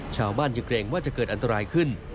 ชาวบ้านยังเกรงว่าจะเกิดอันตรายขึ้น